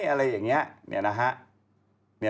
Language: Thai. อะไรอย่างนี้